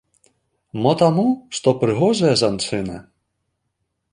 Мо таму, што прыгожая жанчына.